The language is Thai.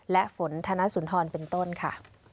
และฝนธนสุนทรเป็นต้นค่ะ